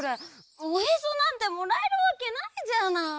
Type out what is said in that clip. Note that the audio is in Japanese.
おへそなんてもらえるわけないじゃない！